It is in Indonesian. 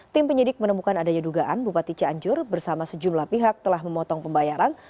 tim penyidik menemukan adanya dugaan bupati cianjur bersama sejumlah pihak telah memotong pembayaran